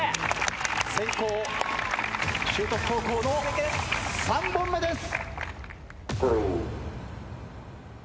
先攻修徳高校の３本目です。